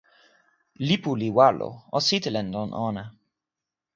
lipu li walo. o sitelen lon ona.